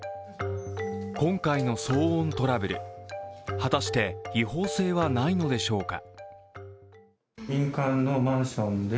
今回の騒音トラブル、果たして違法性はないのでしょうか。